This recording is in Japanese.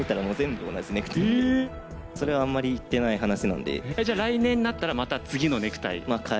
それはあんまり言ってない話なんで。